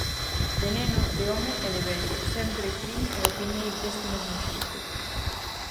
De neno, de home e de vello, sempre crin e opinei deste mesmo xeito.